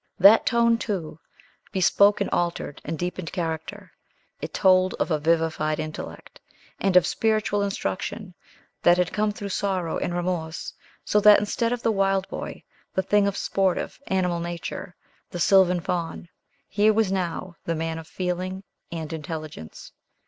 That tone, too, bespoke an altered and deepened character; it told of a vivified intellect, and of spiritual instruction that had come through sorrow and remorse; so that instead of the wild boy, the thing of sportive, animal nature, the sylvan Faun, here was now the man of feeling and intelligence.